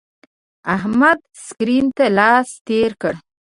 احمد سکرین ته لاس تیر کړ.